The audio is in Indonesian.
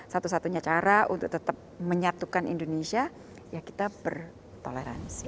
satu satunya cara untuk tetap menyatukan indonesia ya kita bertoleransi